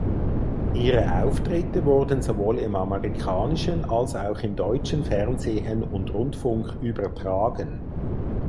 Ihre Auftritte wurden sowohl im amerikanischen als auch im deutschen Fernsehen und Rundfunk übertragen.